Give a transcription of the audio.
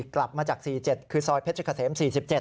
กลับมาจาก๔๗คือซอยเพชรเกษม๔๗